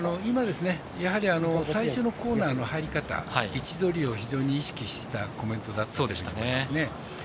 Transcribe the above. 最初のコーナーの入り方位置取りを非常に意識したコメントだと思います。